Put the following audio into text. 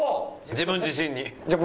自分自身に。